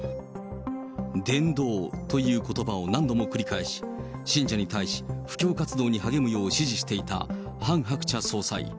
伝道ということばを何度も繰り返し、信者に対し布教活動に励むよう指示していたハン・ハクチャ総裁。